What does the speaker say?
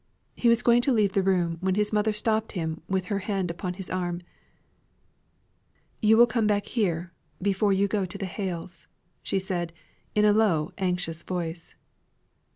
He was going to leave the room, when his mother stopped him with her hand upon his arm. "You will come back here before you go to the Hales'," said she, in a low, anxious voice.